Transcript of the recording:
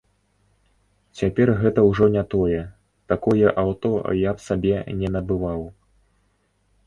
Цяпер гэта ўжо не тое, такое аўто я б сабе не набываў.